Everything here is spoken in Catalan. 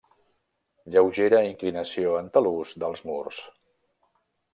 Lleugera inclinació en talús dels murs.